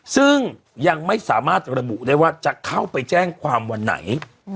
ซึ่งยังไม่สามารถระบุได้ว่าจะเข้าไปแจ้งความวันไหน